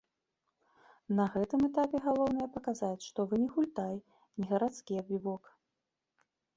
На гэтым этапе галоўнае паказаць, што вы не гультай, не гарадскі абібок.